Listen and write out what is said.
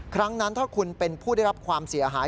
ครั้งนั้นถ้าคุณเป็นผู้ได้รับความเสียหาย